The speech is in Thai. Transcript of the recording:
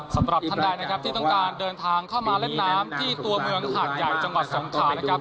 สำหรับท่านใดนะครับที่ต้องการเดินทางเข้ามาเล่นน้ำที่ตัวเมืองหาดใหญ่จังหวัดสงขานะครับ